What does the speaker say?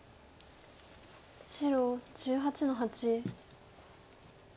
白１８の八。